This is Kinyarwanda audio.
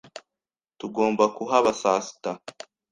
Tugomba kuhaba saa sita.